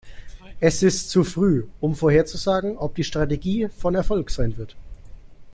Es ist zu früh, um vorherzusagen, ob die Strategie von Erfolg sein wird.